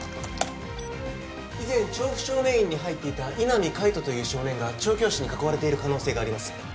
以前調布少年院に入っていた井波海人という少年が調教師に囲われている可能性があります